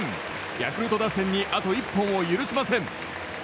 ヤクルト打線にあと１本を許しません。